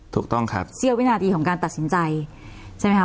ถูกต้องครับเสี้ยววินาทีของการตัดสินใจใช่ไหมคะ